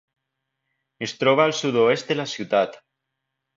Es troba al sud-oest de la ciutat.